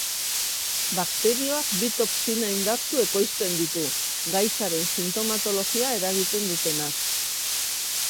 Bakterioak bi toxina indartsu ekoizten ditu, gaitzaren sintomatologia eragiten dutenak.